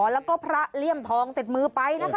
แล้วก็พระเลี่ยมทองติดมือไปนะคะ